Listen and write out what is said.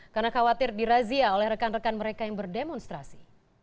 karena khawatir dirazia oleh rekan rekan mereka yang berdemonstrasi